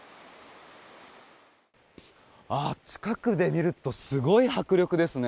近くで見るとすごい迫力ですね。